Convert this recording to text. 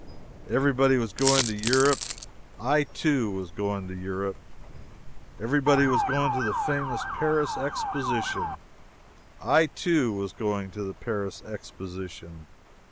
Everybody was going to Europe I, too, was going to Europe. Everybody was going to the famous Paris Exposition I, too, was going to the Paris Exposition.